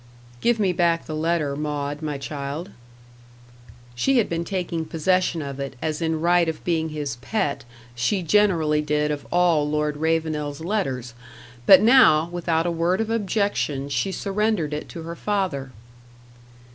"Give me back the letter, Maud my child." She had been taking possession of it, as in right of being his "pet" she generally did of all Lord Ravenel's letters. But now, without a word of objection, she surrendered it to her father.